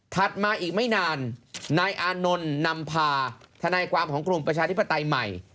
มาอีกไม่นานนายอานนท์นำพาทนายความของกลุ่มประชาธิปไตยใหม่